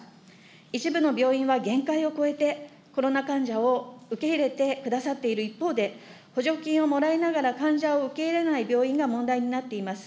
一部の病院は限界を超えて、コロナ患者を受け入れてくださっている一方で、補助金をもらいながら患者を受け入れない病院が問題になっています。